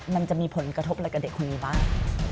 มันจะมีผลกระทบอะไรกับเด็กคนนี้บ้าง